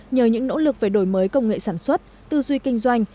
nhờ những nỗ lực về đổi mới công nghệ sản xuất tư duy kinh doanh